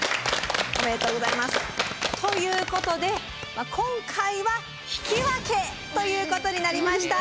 おめでとうございます。ということで今回は引き分けということになりました。